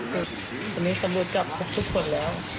แต่ตอนนี้ตำรวจจับทุกคนแล้ว